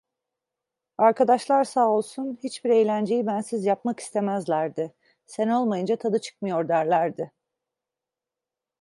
Arkadaşlar sağ olsun, hiçbir eğlenceyi bensiz yapmak istemezlerdi, sen olmayınca tadı çıkmıyor derlerdi.